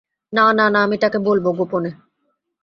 না না না, আমি তাকে বলবো, গোপনে!